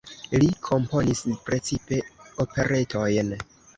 Li komponis precipe operetojn.